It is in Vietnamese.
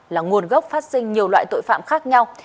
là nguồn gốc phát sinh nhiều loại tội phạm khác nhau